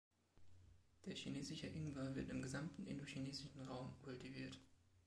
Der Chinesische Ingwer wird im gesamten Indo-Chinesischen Raum kultiviert.